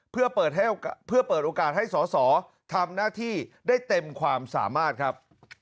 เพื่อเปิดโอกาสให้สอสอทำหน้าที่ได้เต็มความสามารถครับ